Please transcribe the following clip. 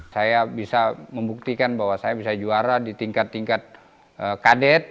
saya bisa membuktikan bahwa saya bisa juara di tingkat tingkat kadet